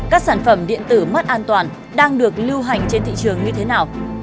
các sản phẩm điện tử mất an toàn đang được lưu hành trên thị trường như thế nào